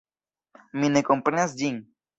Mi ne komprenas ĝin.